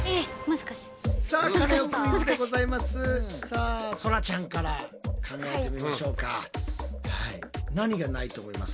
さあそらちゃんから考えてみましょうか。